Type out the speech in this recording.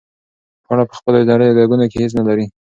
پاڼه په خپلو نریو رګونو کې هیڅ نه لري.